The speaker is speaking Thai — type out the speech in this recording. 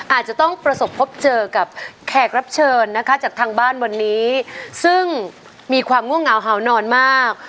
อาจจะต้องประสบพบเจอกับแขกรับเชิญนะคะจากทางบ้านวันนี้ซึ่งมีความง่วงเหงาเห่านอนมาก